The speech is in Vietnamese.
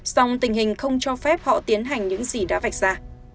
song tình hình không cho phép họ tiến hành những gì đã vạch ra